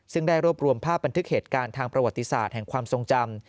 ซึ่งได้รวบรวมภาพบันทึกเหตุการณ์ทางประวัติศาสตร์แห่งความทรงจำ